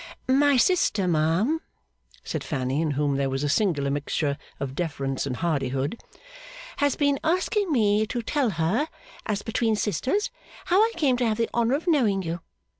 'My sister, ma'am,' said Fanny, in whom there was a singular mixture of deference and hardihood, 'has been asking me to tell her, as between sisters, how I came to have the honour of knowing you.